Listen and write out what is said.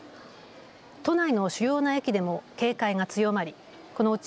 都内の主要な駅でも警戒が強まりこのうち